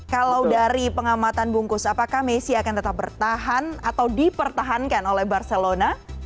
kalau dari pengamatan bungkus apakah messi akan tetap bertahan atau dipertahankan oleh barcelona